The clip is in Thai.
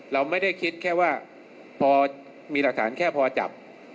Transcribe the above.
เราไม่ได้คิดแค่ว่าพอมีหลักฐานแค่พอจับ